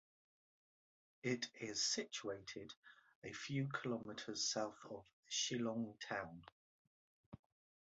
It is situated a few kilometers south of Shillong town.